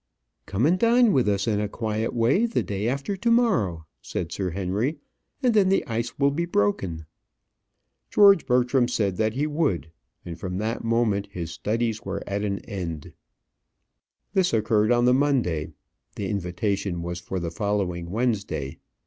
"Come and dine with us in a quiet way the day after to morrow," said Sir Henry, "and then the ice will be broken." George Bertram said that he would; and from that moment his studies were at an end. This occurred on the Monday. The invitation was for the following Wednesday.